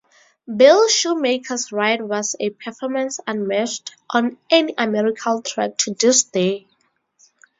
Bill Shoemaker's ride was a performance unmatched on any American track to this day.